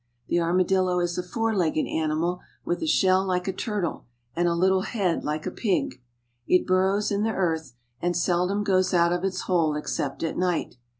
The armadillo is a four legged animal, with a shell like a turtle and a lit tle head like a pig. It bur rows in the earth, and sel dom goes out of its hole ex cept at night.